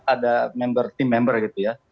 ada member team member gitu ya